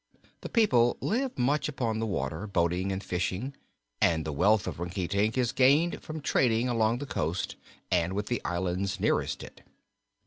The people live much upon the water, boating and fishing, and the wealth of Rinkitink is gained from trading along the coast and with the islands nearest it.